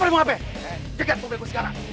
jagat mobil gue sekarang